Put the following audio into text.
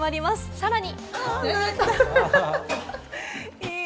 さらに。